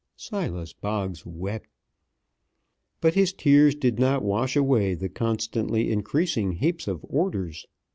Silas Boggs wept. But his tears did not wash away the constantly increasing heaps of orders.